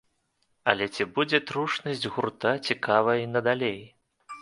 Але ці будзе трушнасць гурта цікавая і найдалей?